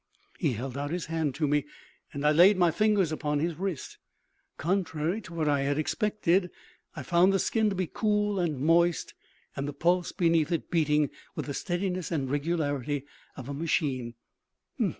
He held out his hand to me, and I laid my fingers upon his wrist. Contrary to what I had expected, I found the skin to be cool and moist, and the pulse beneath it beating with the steadiness and regularity of a machine.